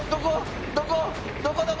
どこ？